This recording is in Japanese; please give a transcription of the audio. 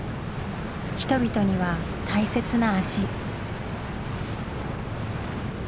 人々には大切な足。